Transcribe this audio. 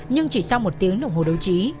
nhưng chỉ sau một tiếng đồng hồ đấu trí